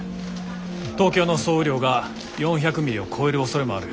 東京の総雨量が４００ミリを超えるおそれもある。